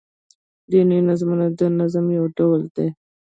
دیني نظمونه دنظم يو ډول دﺉ.